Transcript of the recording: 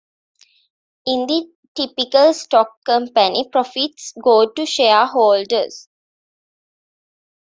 In the typical stock company, profits go to shareholders.